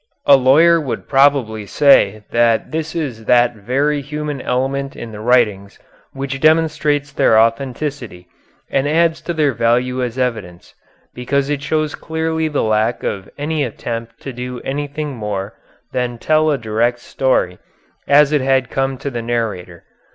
A lawyer would probably say that this is that very human element in the writings which demonstrates their authenticity and adds to their value as evidence, because it shows clearly the lack of any attempt to do anything more than tell a direct story as it had come to the narrator.